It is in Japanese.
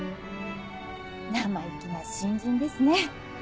生意気な新人ですね。